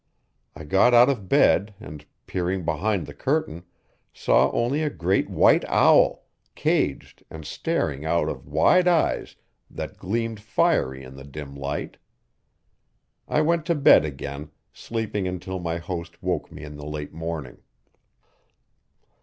I got out of bed and, peering behind the curtain, saw only a great white owl, caged and staring out of wide eyes that gleamed fiery in the dim light. I went to bed again, sleeping until my host woke me in the late morning.